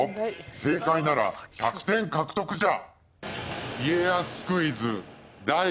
正解なら１００点獲得じゃ！